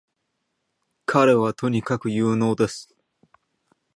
彼はとにかく有能です